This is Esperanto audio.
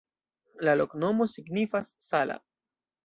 La loknomo signifas: sala.